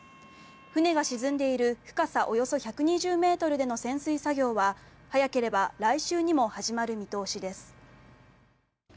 船が沈んでいる深さおよそ１２０ｍでの潜水作業は早ければ来週にも始まる見通しです。